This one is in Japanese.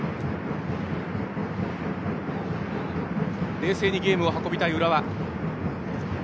冷静にゲームを運びたい浦和。